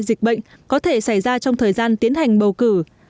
dịch bệnh có thể xảy ra trong thời gian tiến hành bầu cử